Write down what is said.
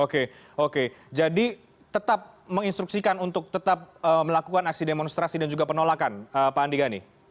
oke oke jadi tetap menginstruksikan untuk tetap melakukan aksi demonstrasi dan juga penolakan pak andi gani